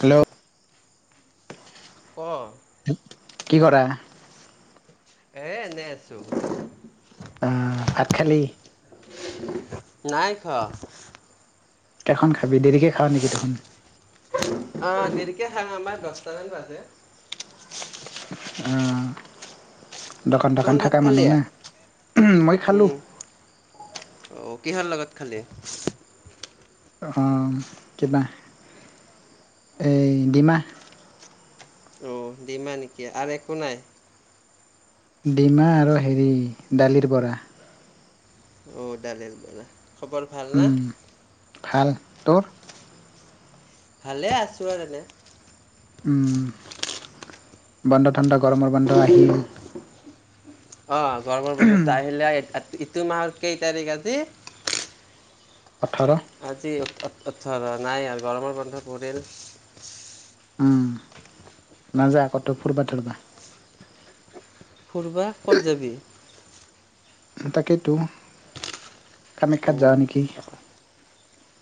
Hello অ। কি কৰা। এ এনে আছো। আহ ভাত খালি। নাই খোৱা। এখন খাবি দেৰিকে খাৱ নেকি দেখোন। অ দেৰিকে খাং আমাৰ দহটামান বাজে। উম। দকান চোন দকান ভাত থাকা খালি মানুহ না উম মই খালোঁ। উম অ কিহৰ লগত খালি? অ কিবা এই ডিমা। অ দিমা নেকি আৰু একো নাই? ডিমা আৰু হেৰি ডালিৰ বৰা। অ ডালিৰ বৰা। খবৰ ভাল না। উম ভাল তোৰ। ভালে আছো আৰু তেনে। উম। [unintelligible] গৰমৰ বন্ধ আহিল। অ গৰমৰ বন্ধতোত আহিলে এইটো মাহৰ কেই তাৰিখ আজি? ওঠৰ আজি। নাই আৰু গৰমৰ বন্ধ পৰিল। উম নাযায় কতো ফুৰিবা ঠুৰবা। ফুুৰিবা ক'ত যাবি? তাকেইটো অ কামাখ্যাত যাওঁ নেকি।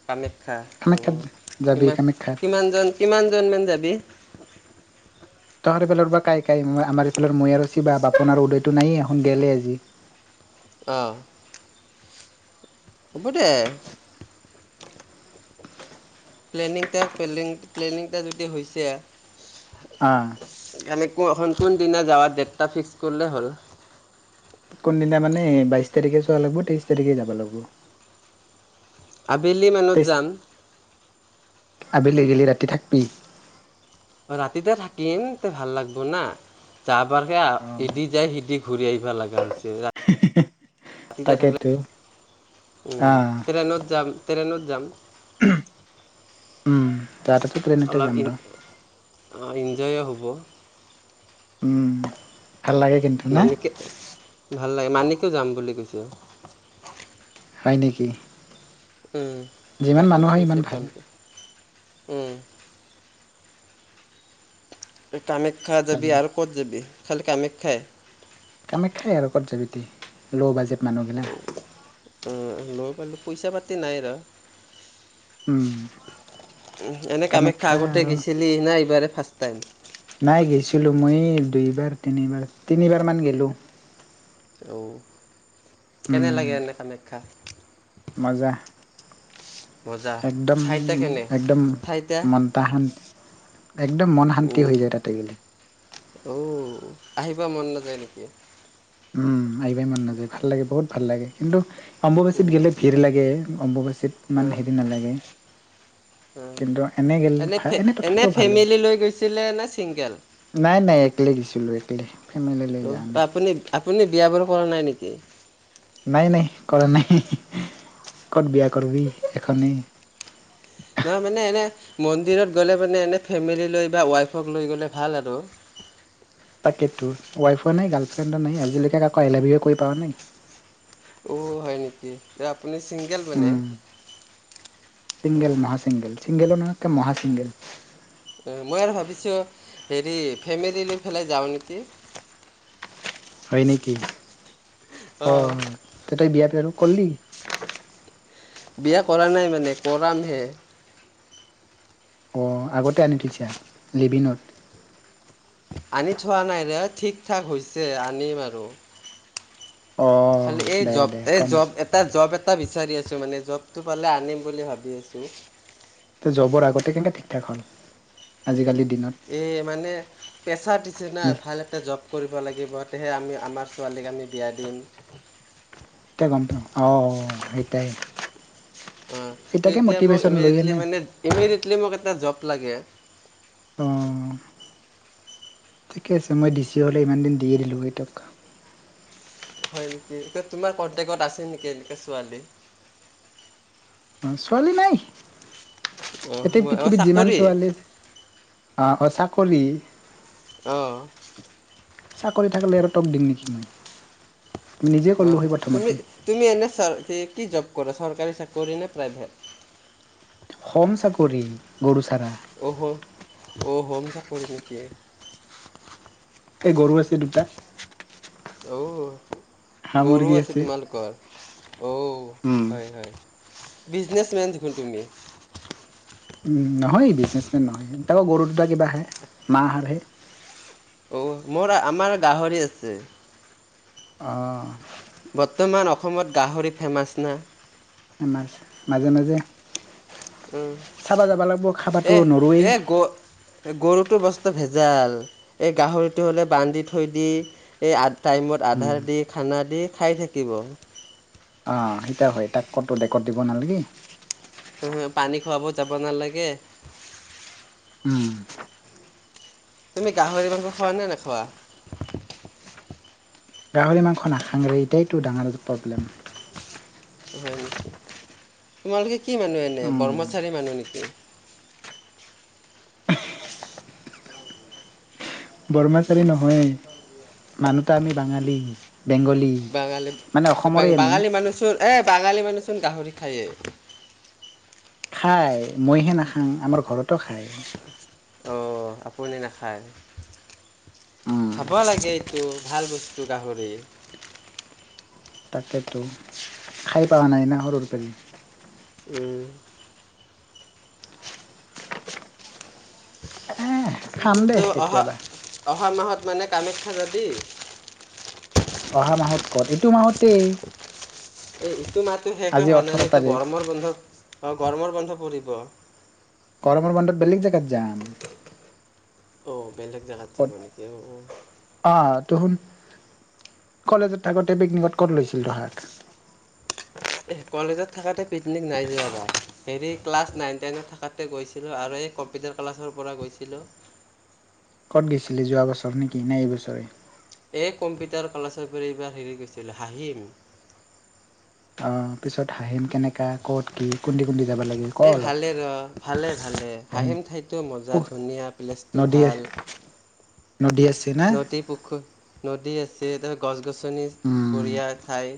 কামাখ্যা কামাখ্যাত উম যাবি কামাখ্যাত কি-কিমানজন কিমান জন মান যাবি? তহঁৰফালৰ পৰা কাই কাই আমাৰ এইফালৰ মই আৰু শিৱা, বাপন আৰু উদয়টো নায়েই এখন গেলে আজি। আহ। হ'ব দে। প্লেনিংটা প্লেং প্লেনিংটা যদি হৈছে অঁ। [unintelligible] কোন দিনা যাওঁ, ডেটটা ফিক্স কৰিলেই হ'ল। কোনদিনা মানে বাইছ তাৰিখে চোৱা লাগিব, তেইছ তাৰিখে যাব লাগিব। আবেলি মানত যাম। আবেলি গেলি ৰাতি থাকবি। ৰাতিতে থাকিম তে, ভাল লাগিব না [unintelligible] ইদি যাই সিদি ঘূৰি আহিবা লগা হৈছে, ৰাতি থাকিলে, তাকেইতো উম্ আহ ট্ৰেইনত যাম ট্ৰেইনত যাম। উম। [unintelligible] ট্ৰেইনতে যাম ৰ। জয়ো হ'ব। উম। ভাল লাগে কিন্তু না। মানিকে ভাল লাগে মানেটো যাম বুলি কৈছো। হয় নেকি। উম, যিমান মানুহ তখনে হয় সিমান কৈছে ভাল ফোনটো উম কামাখ্যা যাবি যাবলে আৰু ক'ত যাবি। খালী কামাখ্যায়ে। কামাখ্যাই আৰু ক'ত যাবি দি, ল' বাজেত অঁ, ল' পালো পইচা পাতি নাই ৰ। উম উম এনে কামাখ্যা আগতে গিছিলি নাই এইবাৰে ফাষ্ট টাইম। নাই গৈছিলো, মই এই দুইবাৰ তিনিবাৰ, তিনিবাৰ মান গেলো। অও। কেনে উম লাগে এনে কামাখ্যা। মজা। মজা একদম- ঠাইটা কেনে একদম ঠাইটা মন তা একদম মন শান্তি উম, হৈ যায় তাতে গ'লে। অ আহিব মন নাযায় নেকি। উম, আহিবাই মন নাযায় ভাল লাগে বহুত ভাল লাগে কিন্তু অম্বুবাচীত উম, গেলে ভিৰ লাগে, অম্বুবাচীত ইমান অ', হেৰি নালাগে, অ'। কিন্তু এনে গেল ফে এনে তথাপিও ভাল, ফেমিলি লৈ গৈছিলে নে ছিংগেল নাই- নাই একলে গৈছিলোঁ একলে ফেমিলি লৈ অ যোৱা নাই। আপুনি আপুনি বিয়া বাৰু কৰা নাই নেকি। নাই -নাই কৰা নাই, ক'ত বিয়া কৰবি এখনেই। নহয় মানে এনে মন্দিৰত গ'লে মানে এনে ফেমিলি লৈ বা ৱাইফক লৈ গ'লে ভাল আৰু। তাকেইটো ৱাইফো নাই গাৰ্লফ্ৰেণ্ডো নাই আজিলৈকে কাকো আই লাভ উ কৈ পোৱা নাই অ' হয় নেকি আপুনি ছিংগেল মানে চিংগেল অ মহা চিংগেল চিংগেলো নহয় একে মহা চিংগেল মই আৰু ভাবিছোঁ হেৰি ফেমিলি লৈ পেলাই যাওঁ নেকি হয় নেকি অঁ তেতিয়া বিয়াত হেতু কলি বিয়া কৰা নাই মানে কৰামহে অঁ আগতে আনি থৈছা লিভিনট আনি থোৱা নাই দে ঠিক ঠাক হৈছে আনিম আৰু অ খালি এই দে জব দে এই কম জব এটা জব এটা এটা বিচাৰি আছো মানে জবটো পালে আনিম বুলি ভাবি আছো আজিকালি এই মানে পেছাৰ দিছে না আমি ভাল এটা জব কৰিব লাগিব তেহে আমি আমাৰ ছোৱালীক আমি বিয়া দিম সেইটাই গমটো অ' সেইটাই অ' সেইটাকে এতিয়া মোক মটিভেশ্যন লৈ ইমিডিয়েটলি আনে মানে ইমিডিয়েটলি মোক এটা জব লাগে অঁ ঠিকেই আছে মই ডি চি হ'লে ইমান দিন দিয়েই দিলোঁ হয় টোক হয় নেকি এ তোমাৰ কন্টেক্ত আছে নেকি এনেকা ছোৱালী অ' ছোৱালী নাই অঁ এতিয়া মই অঁ পৃথিৱীত যিমান চাকৰি ছোৱালী আছে আঁ চা কৰি অঁ চাকৰি থাকিলে আৰু টোক দিম নেকি মই আমি নিজে কৰিলো অঁ সেই তুমি প্ৰথমতে তুমি এনে চা কি জব কৰা কৰা চৰকাৰী চাকৰি নে প্ৰাইভেট হম চাকৰি গৰু চাৰা অঁ হ অ' হম চাকৰি নেকি এই গৰু আছে দুটা অ' হাঁহ গৰু মুৰ্গী আছে তোমালোকৰ অ' উম হয় হয় বিজনেছমেন দেখোন তুমি নহয় বিজনেচমেন নহয় হেনকা গৰু দুটা কিবা হে মাঁহতহে অঁ মোৰ আমাৰ গাহৰি আছে অঁ বৰ্তমান অসমত গাহৰি ফেমাছ না মাজে মাজে উম চাবা যাবা লাগিব খাবাতো এ নৰুৱেই এ গ গৰুটো বস্তা ভেজ ভেজাল এই গাহৰিটো হ'লে বান্ধি থৈ দি এই টাইমত আধা উম ৰাতি খানা দি খাই থাকিব অঁ সেইত হয় তাক ক'তো ডেকত দিব নালাগে [unintelligible] হোম পানী খোৱাব যাব নালাগে উম তুমি গাহৰি মাংস খোৱা নে নোখোৱা গাহৰি মাংস নাখাং ৰে এইটোয়ে টো ডাঙৰ প্ৰব্লেম হয় নেশ্চি তোমালোকে [unintelligible] কি মানুহ এনে উম ব্ৰহ্মচাৰী মানুহ নেকি বৰ্মচাৰী নহয় এ মানুহতা আমি বাঙালী বেংগলী বাঙালী মানে অসমৰে আমি বাঙালী মানুহ চোন এ বাঙালী মানুহ চোন গাহৰি খায় এ খাই মইহে নাখাং আমাৰ ঘৰত ত খায় অঁ আপুনি নাখায় উম খাব লাগে এইটো ভাল বস্তু গাহৰি তাকেতো খাই পোৱা নাই না সৰুৰ পাৰি উম [inaudible] এহ খাম [unintelligible] দে তো অহা কেতিয়াবা অহা মাহত মানে কামাখ্যা যাবি? তে এই ইটো মাতো শেষে হোৱা নাই যে এইটো গৰমৰ বন্ধ অ গৰমৰ বন্ধ কৰিব গৰমৰ বন্ধত বেলেগ জেগাত যাম অঁ বেলেগ জেগাত যাব ক'ত নেকি অঁ অ অ কলেজত থাকোতে পিকনিকত কত লৈছিল তহাত কলেজত থাকাঁতে পিকনিক নাই যোৱা এবাৰ হেৰি ক্লাছ নাইন টেনত থকাতে গৈছিলোঁ আৰু এই কম্পিউটাৰ ক্লাছৰ পৰা গৈছিলোঁ ক'ত গৈছিলে যোৱা বছৰ নেকি নে এইবছৰে? এই কম্পিউটাৰ ক্লাছৰ পৰা এইবাৰ হেৰি গৈছিল হাঁহিম অ পিছত হাঁহিম কেনেকা কত কি কুন্দি কুন্দি এই ভালে ৰ ভালে ভালে হাঁহিম ঠাইটো মজা উহ ধুনীয়া প্লেছটো নদী ভাল নদী আছে না নদী পুখুৰী নদী আছে তাৰ গছ গছনি উম বঢ়িয়া ঠাই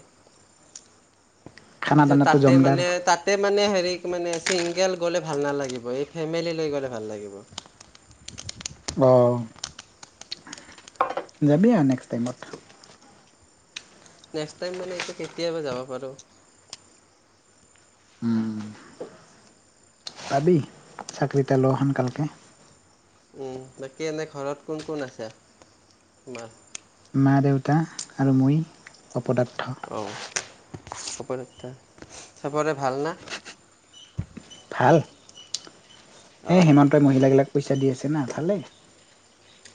খানা দানাটো তাতে জমদাৰ মানে তাতে মানে হেৰি মানে চিংগেল গ'লে ভাল নালাগিব এই ফেমিলি গ'লে ভাল লাগিব অ যাবি আৰু নেক্সট টাইমত নেক্স টাইম মানে কেতিয়াবা যাব পাৰো? পাবি চাকৰি এটা ল সোনকালকে উম বাকী এনে ঘৰত কোন কোন আছে তোমাৰ? মা- দেউতা আৰু মই পদাৰ্থ অ হ'ব চবৰে ভাল না ভাল অ এই হিমন্তই মহিলাবিলাক পইচা দি আছে না ভালেই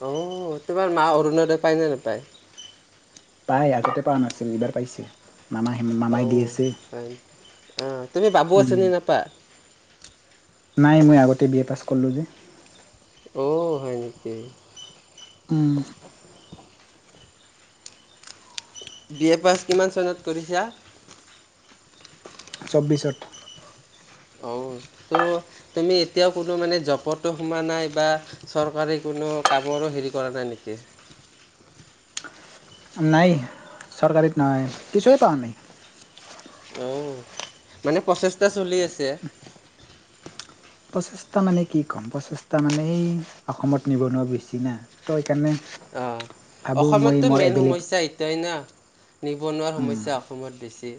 অহ তোমাৰ মা অৰুণোদয় পায়নে নেপায় তাই আগতে পোৱা নাছিল এইবাৰ পাইছে মামা মামাই অও দি আছে হয় অহ তুমি বাবু উম আঁচনি নোপোৱা নাই মই আগতে বি এ পাছ কৰিলোঁ যে অহ হয় নেকি উম, বি এ পাছ কিমান চনত কৰিছা? চৌব্বিছত অহ তহ তুমি এতিয়াও কোনো মানে জবতো সোমোৱা নাই বা চৰকাৰী কোনো কামৰো হেৰি কৰা নাই নেকি নাই চৰকাৰীত নহয় কিছো এহ পোৱা নাই অহ মানে প্ৰচেষ্টা চলি আছে প্ৰচেষ্টা মানে কি ক'ম প্ৰচেষ্টা মানে এই অসমত নিবনুৱা বেছি নাহ তঅ সেইকাৰণে অহ ভাবোঁ মই অসমততো মোৰ মেইন এবিলিট সমস্যা এইটোৱেই না নিবনুৱাৰ উম, সমস্যা অসমত বেছি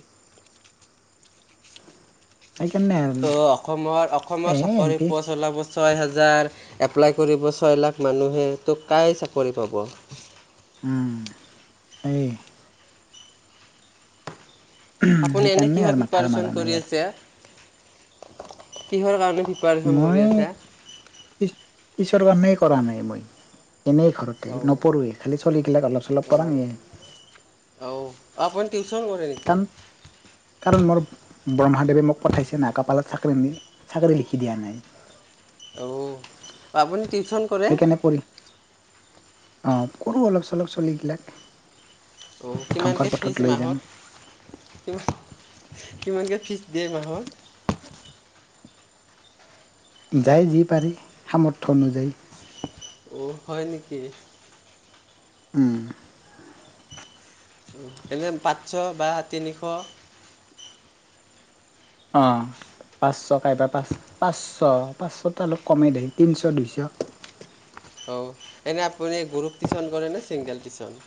সেইকাৰণে আৰু অহ অসমৰ এ অসমৰ চাকৰি এনকে পোৱা চেলা বস্তু ছয় হাজাৰ এপ্লাই কৰিব ছয় লাখ মানুহে তহ কাই চাকৰি পাব উম এই আপুনি এনে সেইকাৰণে কিহৰ আৰু মাথা প্ৰিপাৰেচন মাৰা নাই কৰি আৰু, আছে কিহৰ কাৰণে প্ৰিপাৰেশ্যন কৰি মই আছে পি পিছৰ কাৰণে কৰা নাই মই এনেই ঘৰতে অ' নপঢ়োৱে খালি চলীগিলাক অলপ চলপ কৰাং অ' এহ অ' আপুনি টিউচন কৰে নেকি [unintelligible] ব্ৰহ্মাদেৱে মোক পঠাইছে না কপালত চাকৰি নি চাকৰি লিখি দিয়া নাই অও আপুনি টিউ টিউচন কৰে অহ কৰোঁ অলপ চলপ চলিগিলাক অহ ধ্বংসৰ কিমানকৈ পথত ফিজ লৈ যাম মাহত টিউ কিমানকৈ ফিজ দিয়ে মাহত যায় যি পাৰি সামৰ্থ্য অনুযায়ী অহ হয় নেকি উম এনে পাঁচশ বা তিনিশ অঁ পাঁচশ! কাইবা পাঁচ, পাঁচশ, পাঁচশটো অলপ কমেই দে, তিনশ! দুইশ! অঁ! এনে আপুনি গ্ৰুপ টিচন কৰেনে ছিংগল টিচন?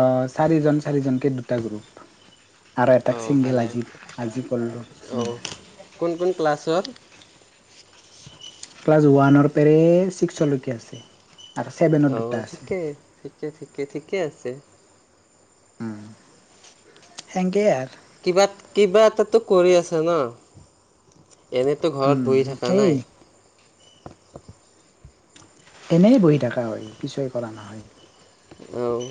অঁ! চাৰিজন চাৰিজনকে দুটা গ্ৰুপ। আৰু এটাক অঁ! ছিংগল ভালে আজি আজি কৰিলোঁ অঁ! কোন কোন ক্লাছৰ? ক্লাছ ওৱানৰ পেৰে ছিক্স'লৈকে আছে। আৰু ছেভেনত অঁ! দুটা আছে ঠিকে, ঠিকে, ঠিকে, ঠিকে আছে। উম! সেংকেই আৰ। কিবা, কিবা এটাতো কৰি আছো ন! এনেতো ঘৰত বহি উম, থাকা এই নাই। এনেই বহি থকা হয়, কিছয় কৰা নহয়। অঁ!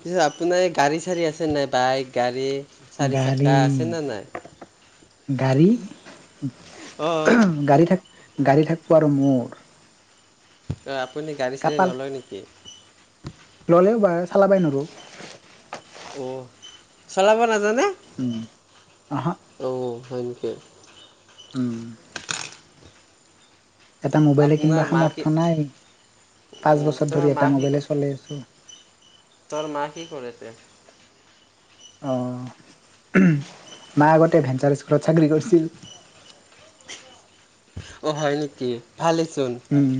পিছত আপোনাৰ এই গাড়ী চাড়ী আছে নাই? বাইক! গাড়ী! চাৰিচাকা গাড়ী আছে না নাই? গাড়ী? অঁ অঁ, গাড়ী থাক- গাড়ী থাকব আৰু মোৰ? অঁ! আপুনি গাড়ী-চাৰি কাপাল নলয় নেকি? ল'লেও বা চালাবাই নৰো। অ! চলাব নাজ জানে? আহা অ! হয় নেকি! [inaudible] উম! এটা মোবাইলে কিনবা আপোনাৰ মা কি সামৰ্থ্য নাই, পাঁচ উম, বছৰ তোমাৰ ধৰি মা এটা কি মোবাইলে চলে আছোঁ। তোৰ মা কি কৰে তে অ! মা আগতে ভেঞ্চাৰ স্কুলত চাকৰি কৰছিল। অ হয় নেকি? ভালেইচোন! উম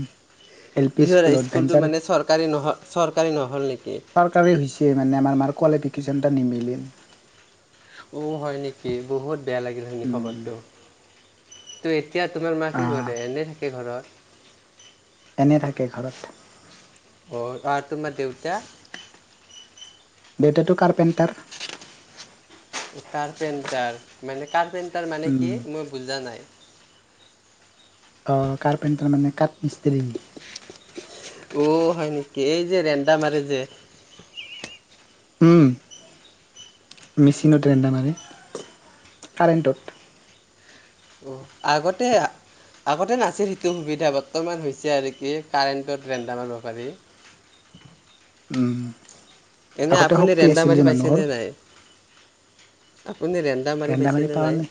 এল পি পিছত স্কুলত স্কুলটো ভেঞ্চাৰ মানে চৰকাৰী নহ চৰকাৰী নহ'ল নেকি? কোৱালিফিকেশ্যনটা নিমিলিল। উ হয় নেকি! বহুত বেয়া লাগিল শুনি উম খবৰটো। [inaudible] এতিয়া তোমাৰ মা কি আহ কৰে? এনেই থাকে ঘৰত! এনে থাকে ঘৰত। অ! আৰ তোমাৰ দেউতা? দেউতাটো কাৰ্পেণ্টাৰ। কাৰ্পেণ্টাৰ। মানে কাৰ্পেণ্ট তাৰ মানে উম কি? মই বুজা নাই অ কাৰ্পেণ্টাৰ মানে কাঠমিস্ত্ৰী। অ হয় নেকি? এই যে, ৰেন্দা মাৰে যে! উম মেচিনত ৰেন্দা মাৰে কাৰেণ্টত। অ আগতে আগতে নাছিল সেইটো সুবিধা বৰ্তমান হৈছে আৰু কি কাৰেণ্টত ৰেণ্ডামাৰিব পাৰি। উম এনে আগতে আপুনি শক্তি ৰেন্দা আছিল যে মাৰি মানুহৰ পাইছেনে নাই? [unintelligible] আপুনি ৰেন্দা মাৰি পাইছেনে নাই?